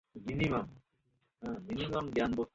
জানি না কেন, এই দূর্ঘটনার জন্য পর জুনি নিজেকে দোষী মানে।